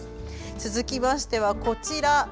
続きましては、こちら。